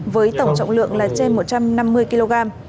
với tổng trọng lượng là trên một trăm năm mươi kg